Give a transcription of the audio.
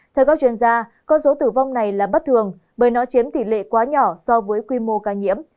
theo các chuyên gia con số tử vong này là bất thường bởi nó chiếm tỷ lệ quá nhỏ so với quy mô ca nhiễm